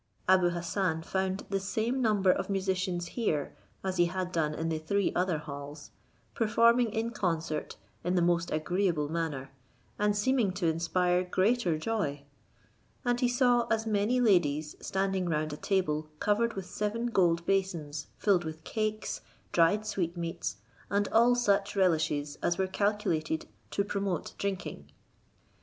Abou Hassan found the same number of musicians here as he had done in the three other halls, performing in concert in the most agreeable manner, and seeming to inspire greater joy; and he saw as many ladies standing round a table covered with seven gold basins filled with cakes, dried sweetmeats, and all such relishes as were calculated to promote drinking.